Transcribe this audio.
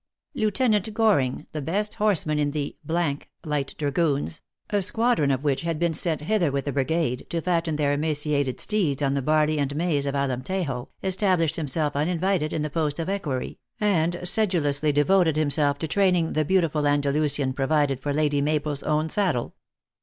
Lieutenant Goring, the best horseman in the light dragoons, a squadron of which had been sent hither with the brigade, to fatten their emaciated steeds on the barley and maize of Alemtejo, estab lished himself, uninvited, in the post of equerry, and sedulously devoted himself to training the beautiful Andalusian provided for Lady Mabel s own saddle.